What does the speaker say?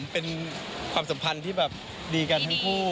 เป็นความสัมพันธ์ที่แบบดีกันทั้งคู่